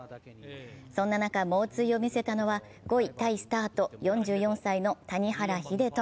そんな中、猛追を見せたのは５位タイスタート、４４歳の谷原秀人。